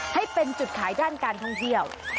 ให้เป็นจุดขายด้านการท่องเที่ยว